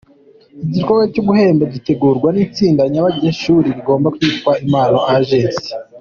Igikorwa cyo guhemba gitegurwa n’itsinda ry’abanyeshuri bigamo ryitwa Impano Agency.